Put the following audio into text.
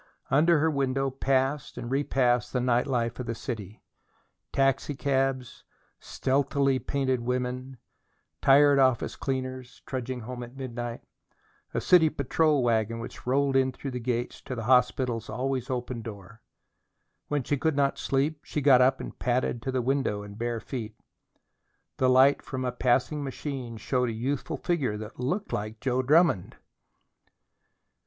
Under her window passed and repassed the night life of the city taxicabs, stealthy painted women, tired office cleaners trudging home at midnight, a city patrol wagon which rolled in through the gates to the hospital's always open door. When she could not sleep, she got up and padded to the window in bare feet. The light from a passing machine showed a youthful figure that looked like Joe Drummond.